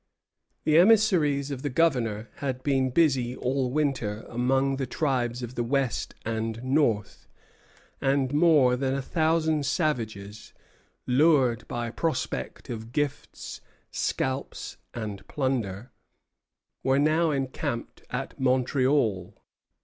The emissaries of the Governor had been busy all winter among the tribes of the West and North; and more than a thousand savages, lured by prospect of gifts, scalps, and plunder, were now encamped at Montreal.